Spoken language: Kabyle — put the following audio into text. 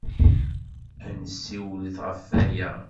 Ad nessiwlet ɣef waya.